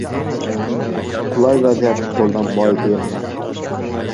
• Qulay vaziyatni qo‘ldan boy berma.